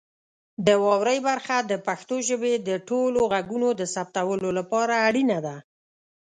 د واورئ برخه د پښتو ژبې د ټولو غږونو د ثبتولو لپاره اړینه ده.